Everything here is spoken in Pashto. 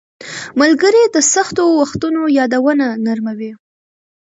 • ملګري د سختو وختونو یادونه نرموي.